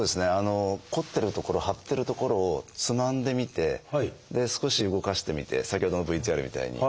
こってる所張ってる所をつまんでみて少し動かしてみて先ほどのＶＴＲみたいに。